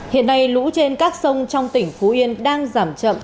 hiện nay lũ trên các sông trong tỉnh phú yên đang giảm chậm